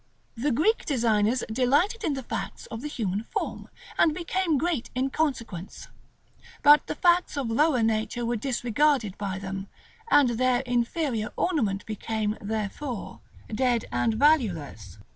The Greek designers delighted in the facts of the human form, and became great in consequence; but the facts of lower nature were disregarded by them, and their inferior ornament became, therefore, dead and valueless.